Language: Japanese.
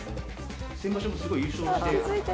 先場所もすごい優勝して。